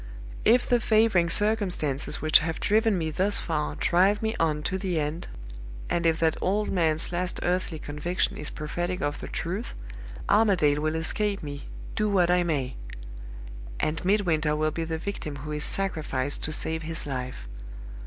"If the favoring circumstances which have driven me thus far drive me on to the end, and if that old man's last earthly conviction is prophetic of the truth, Armadale will escape me, do what I may. And Midwinter will be the victim who is sacrificed to save his life.